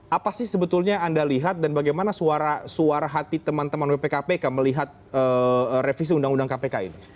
apa sih sebetulnya anda lihat dan bagaimana suara hati teman teman wpkpk melihat revisi undang undang kpk ini